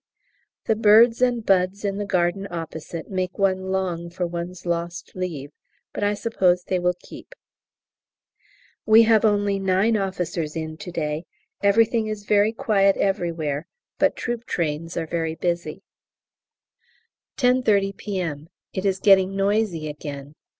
The birds and buds in the garden opposite make one long for one's lost leave, but I suppose they will keep. We have only nine officers in to day; everything is very quiet everywhere, but troop trains are very busy. 10.30 P.M. It is getting noisy again.